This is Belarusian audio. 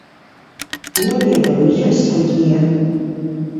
Я ведаю, ёсць такія.